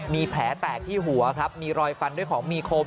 มีแผลแตกที่หัวครับมีรอยฟันด้วยของมีคม